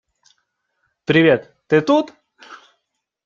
Привет, ты тут?